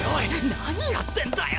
何やってんだよ！